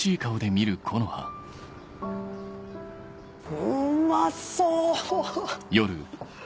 うまそう！